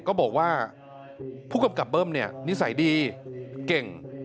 ก็บอกว่าผู้กำกับเบิ้มเนี่ยนิสัยดีเก่ง